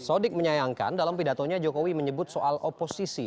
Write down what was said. sodik menyayangkan dalam pidatonya jokowi menyebut soal oposisi